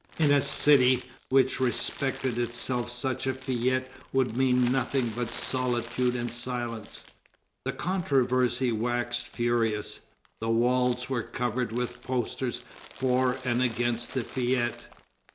In a city which respected itself such a fête would meet nothing but solitude and silence." The controversy waxed furious. The walls were covered with posters for and against the fête.